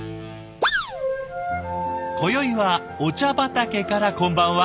今宵はお茶畑からこんばんは。